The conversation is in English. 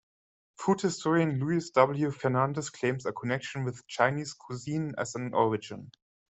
Food historian Luis W. Fernandez claims a connection with Chinese cuisine as an origin.